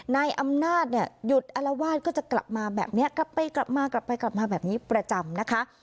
นายอำนาจเนี่ยหยุดอลวาดก็จะกลับมาแบบนี้กลับไปกลับมากลับไปกลับมาแบบนี้ประจำนะคะ